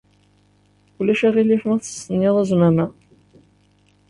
Ulac aɣilif ma testenyaḍ azmam-a?